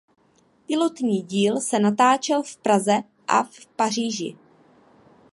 Pilotní díl se natáčel v Praze a v Paříži.